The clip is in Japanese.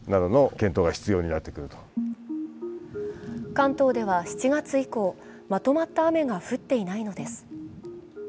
関東では７月以降、まとまった雨が降っていないのです。